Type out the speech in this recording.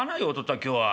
今日は」。